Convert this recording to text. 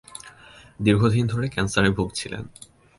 দীর্ঘ দিন ধরে ক্যান্সারে ভুগছিলেন।